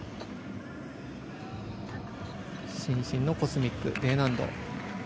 伸身のコスミックＤ難度。